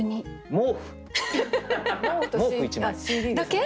毛布１枚。だけ！？